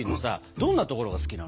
どんなところが好きなの？